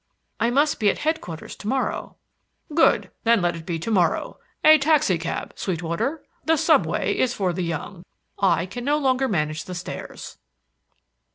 "I must be at Headquarters to morrow." "Good, then let it be to morrow. A taxicab, Sweetwater. The subway for the young. I can no longer manage the stairs."